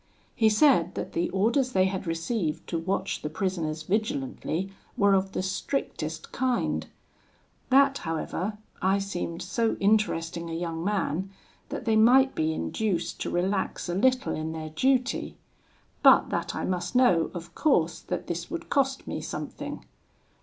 He said that the orders they had received to watch the prisoners vigilantly were of the strictest kind; that, however, I seemed so interesting a young man, that they might be induced to relax a little in their duty; but that I must know, of course, that this would cost me something.